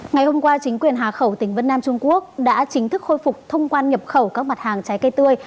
ngày hôm qua chính quyền hà khẩu tỉnh vân nam trung quốc đã chính thức khôi phục thông quan nhập khẩu các mặt hàng trái cây tươi